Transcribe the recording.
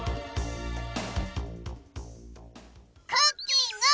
クッキング！